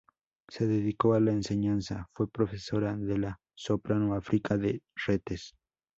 Se dedicó a la enseñanza: fue profesora de la soprano África de Retes.